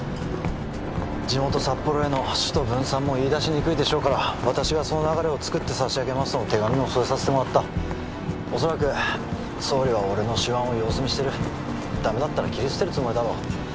地元札幌への首都分散も言いだしにくいでしょうから私がその流れをつくって差し上げますとの手紙も添えさせてもらった恐らく総理は俺の手腕を様子見してるダメだったら切り捨てるつもりだろう